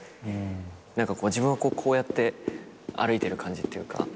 自分はこうやって歩いてる感じっていうか。